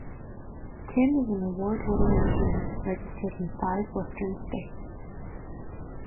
Kim is an award-winning engineer, registered in five western states.